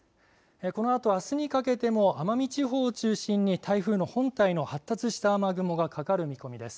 このあとあすにかけても奄美地方を中心に台風の本体の発達した雨雲がかかる見込みです。